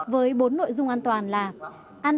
với bốn nội dung an toàn là